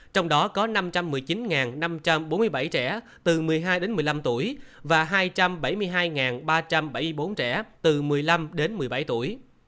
trong đó có năm trăm một mươi chín năm trăm bốn mươi bảy trẻ từ một mươi hai đến một mươi năm tuổi và hai trăm bảy mươi hai ba trăm bảy mươi bốn trẻ từ một mươi năm đến một mươi bảy tuổi